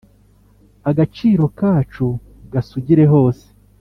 agaciro kacu gasugire hose